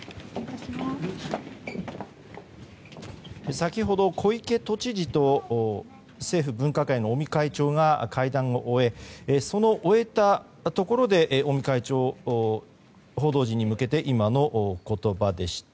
先ほど、小池都知事と政府分科会の尾身会長が会談を終え、その終えたところで尾身会長の、報道陣に向けて今の言葉でした。